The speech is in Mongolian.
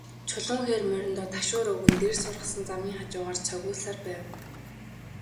Чулуун хээр мориндоо ташуур өгөн, дэрс ургасан замын хажуугаар цогиулсаар байв.